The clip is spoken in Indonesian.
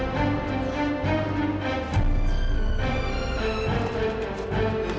bisa kita pindah ke rumah bu